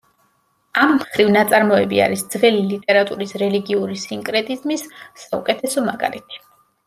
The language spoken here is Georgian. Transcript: ამ მხრივ ნაწარმოები არის ძველი ლიტერატურის რელიგიური სინკრეტიზმის საუკეთესო მაგალითი.